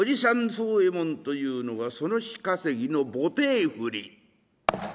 宗右衛門というのがその日稼ぎの棒手振。